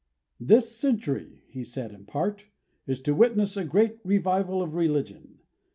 "This century," he said in part, "is to witness a great revival of religion.